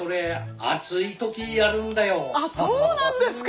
あそうなんですか。